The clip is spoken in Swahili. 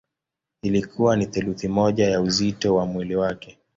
Ilikuwa ni theluthi moja ya uzito wa mwili wake.